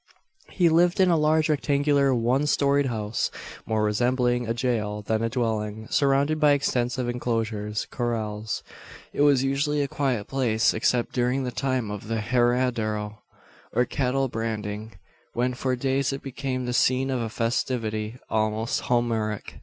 He lived in a large rectangular one storied house more resembling a jail than a dwelling surrounded by extensive enclosures corrales. It was usually a quiet place; except during the time of the herradero, or cattle branding; when for days it became the scene of a festivity almost Homeric.